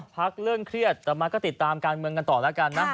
พักเรื่องเครียดแต่มาก็ติดตามการเมืองกันต่อแล้วกันนะ